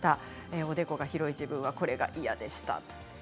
おでこが広い自分はこれが嫌でしたということです。